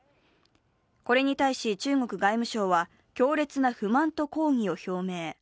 これに対し中国外務省は、強烈な不満と抗議を表明。